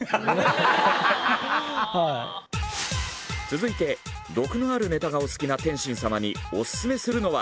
続いて毒のあるネタがお好きな天心様にオススメするのは。